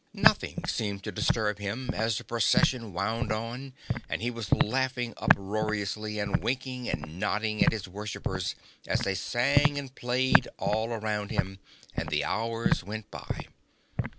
Nothing seemed to disturb him as the Procession wound on, and he was laughing uproariously and winking and nodding at his worshippers as they sang and played all around him, and the hours went by.